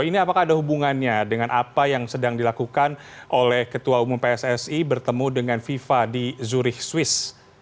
ini apakah ada hubungannya dengan apa yang sedang dilakukan oleh ketua umum pssi bertemu dengan fifa di zurich swiss